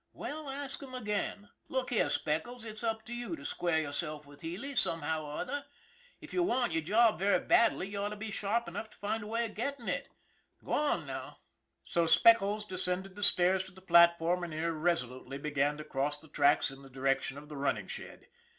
" Well, ask him again. Look here, Speckles, it's up to you to square yourself with Healy, somehow or other. If you want your job very badly, you ought to be sharp enough to find a way of getting it. Go on, now." SPECKLES 317 So Speckles descended the stairs to the platform and irresolutely began to cross the tracks in the direc tion of the running shed.